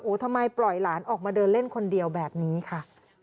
ทำไมปล่อยหลานออกมาเดินเล่นคนเดียวแบบนี้ค่ะ